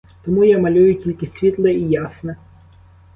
Тому я малюю тільки світле і ясне.